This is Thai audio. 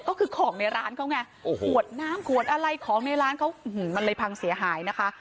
ก็คือของในร้านเขาไงโอ้โหขวดน้ำขวดอะไรของในร้านเขามันเลยพังเสียหายนะคะ